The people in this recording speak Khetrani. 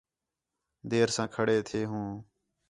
دیر ساں کھڑے تھے ہوں